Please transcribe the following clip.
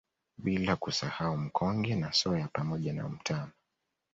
Bila kusahau Mkonge na Soya pamoja na mtama